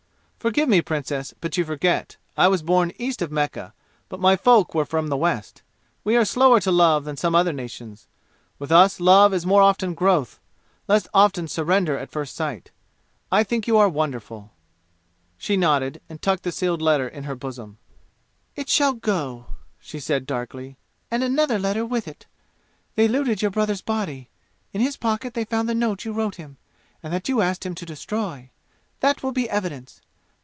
"Forgive me, Princess, but you forget. I was born east of Mecca, but my folk were from the West. We are slower to love than some other nations. With us love is more often growth, less often surrender at first sight. I think you are wonderful." She nodded and tucked the sealed letter in her bosom. "It shall go," she said darkly, "and another letter with it. They looted your brother's body. In his pocket they found the note you wrote him, and that you asked him to destroy! That will be evidence.